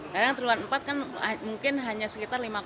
kadang triwulan empat kan mungkin hanya sekitar lima